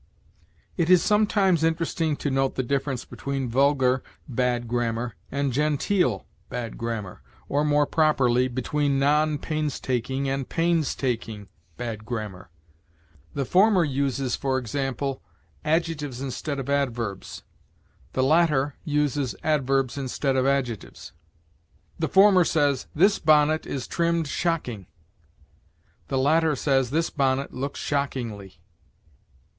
It is sometimes interesting to note the difference between vulgar bad grammar and genteel bad grammar, or, more properly, between non painstaking and painstaking bad grammar. The former uses, for example, adjectives instead of adverbs; the latter uses adverbs instead of adjectives. The former says, "This bonnet is trimmed shocking"; the latter says, "This bonnet looks shockingly."